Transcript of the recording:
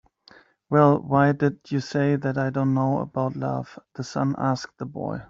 "Well, why did you say that I don't know about love?" the sun asked the boy.